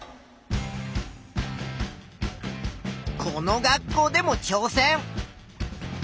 この学校でもちょう戦。